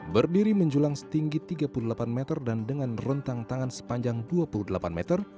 berdiri menjulang setinggi tiga puluh delapan meter dan dengan rentang tangan sepanjang dua puluh delapan meter